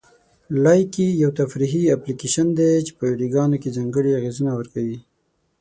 لایکي یو تفریحي اپلیکیشن دی چې په ویډیوګانو کې ځانګړي اغېزونه ورکوي.